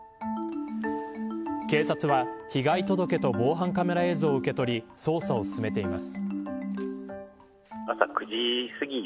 警察は、被害届と防犯カメラ映像を受け取り捜査を進めています。